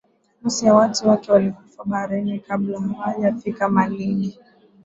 Nusu ya watu wake walikufa baharini kabla hawajafika Malindi